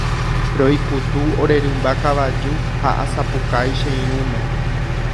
Roikutu ore rymba kavaju ha asapukái che irũme.